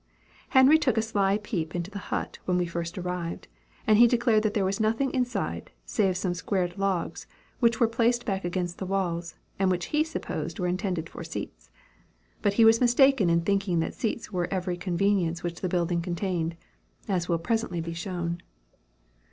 Henry took a sly peep into the hut when we first arrived, and he declared that there was nothing inside, save some squared logs, which were placed back against the walls, and which he supposed were intended for seats. But he was mistaken in thinking that seats were every convenience which the building contained, as will presently be shown.